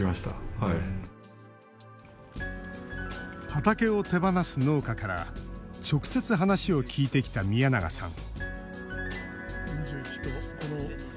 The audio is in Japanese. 畑を手放す農家から直接、話を聞いてきた宮永さん